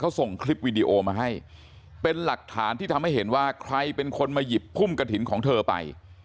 เขาส่งคลิปวิดีโอมาให้เป็นหลักฐานที่ทำให้เห็นว่าใครเป็นคนมาหยิบพุ่มกระถิ่นของเธอไป